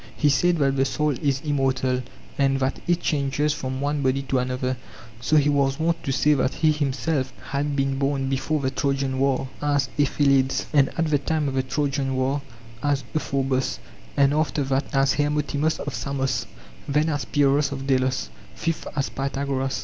He said that the soul is immortal, and that it changes from one body to another ;! so he was wont to say that he himself had been born before the Trojan war as Aethalides, and at the time of the Trojan war as Euphorbos, and after that as Hermotimos of Samos, then as Pyrrhos of Delos, fifth as Pythagoras.